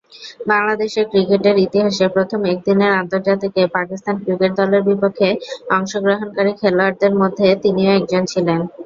বাংলাদেশের ক্রিকেটের ইতিহাসে প্রথম একদিনের আন্তর্জাতিকে পাকিস্তান ক্রিকেট দলের বিপক্ষে অংশগ্রহণকারী খেলোয়াড়দের মধ্যে তিনিও একজন ছিলেন।